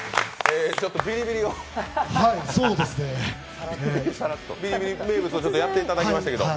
ちょっとビリビリ名物をやっていただきましたけど。